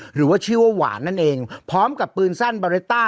หรือว่าชื่อว่าหวานนั่นเองพร้อมกับปืนสั้นบาเรตต้า